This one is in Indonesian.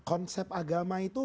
konsep agama itu